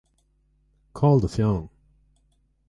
Cá bhfuil do pheann